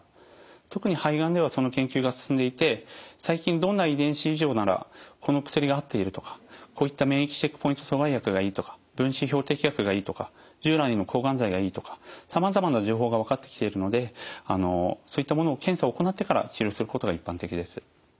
特に肺がんではその研究が進んでいて最近どんな遺伝子異常ならこの薬が合っているとかこういった免疫チェックポイント阻害薬がいいとか分子標的薬がいいとか従来の抗がん剤がいいとかさまざまな情報が分かってきているのでそういったものを検査を行ってから治療することが一般的です。